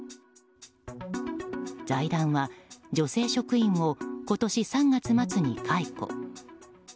財団は女性職員を今年３月末に解雇。